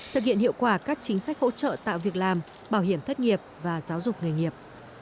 thực hiện hiệu quả các chính sách hỗ trợ tạo việc làm bảo hiểm thất nghiệp và giáo dục nghề nghiệp